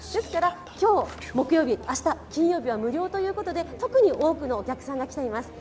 今日木曜日、明日金曜日は無料ということで特に多くのお客さんが来ています。